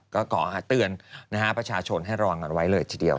ก็ขอเตือนประชาชนให้รออย่างนั้นไว้เลยเฉียว